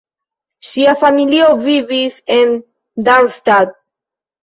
Ŝia familio vivis en Darmstadt.